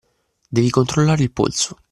Devi controllare il polso.